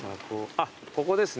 あっここですね。